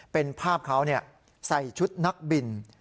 เป็นภาพเขาใส่ชุดนักบิน